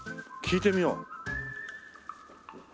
聞いてみよう。